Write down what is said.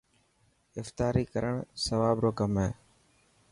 افتاري ڪراڻ سواب رو ڪم هي